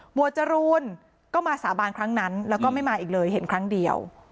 วดจรูนก็มาสาบานครั้งนั้นแล้วก็ไม่มาอีกเลยเห็นครั้งเดียว